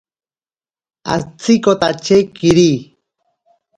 Atsikotache kiri.